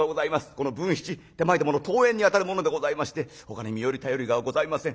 この文七手前どもの遠縁にあたる者でございましてほかに身寄り頼りがございません。